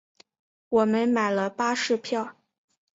我们买了巴士票